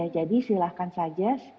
jadi silahkan saja